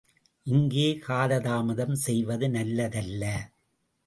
இங்கே காலதாமதம் செய்வது நல்லதல்ல.